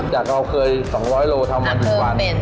จากเราเคย๒๐๐โลทำมา๑วัน